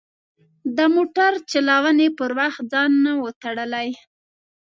د موټر چلونې پر وخت ځان نه و تړلی.